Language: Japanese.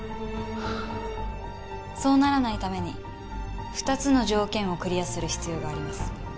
そうならないために２つの条件をクリアする必要があります。